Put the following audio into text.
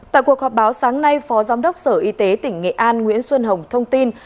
tại cuộc họp báo sáng nay phó giám đốc sở y tế tỉnh nghệ an nguyễn xuân hồng thông tin